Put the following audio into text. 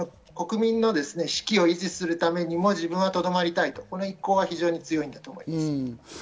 国民の士気を維持するためにも自分は留まりたいと、この意向が非常に強いんだと思います。